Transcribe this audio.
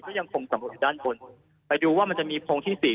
ก็ยังคงสำรวจอยู่ด้านบนไปดูว่ามันจะมีโพงที่สี่